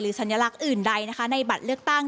หรือสัญลักษณ์อื่นใดในบัตรเลือกตั้ง